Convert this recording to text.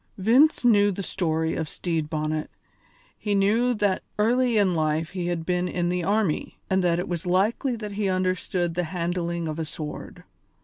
Vince knew the story of Stede Bonnet; he knew that early in life he had been in the army, and that it was likely that he understood the handling of a sword.